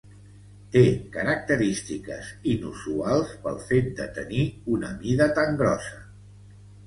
Té característiques inusuals pel fet de tenir una mida tan grossa.